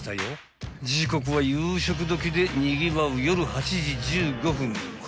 ［時刻は夕食時でにぎわう夜８時１５分］